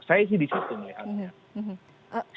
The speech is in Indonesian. saya sih disitu melihatnya